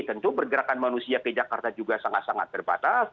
tentu pergerakan manusia ke jakarta juga sangat sangat terbatas